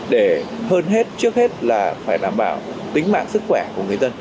để hơn hết trước hết là phải đảm bảo tính mạng sức khỏe của người dân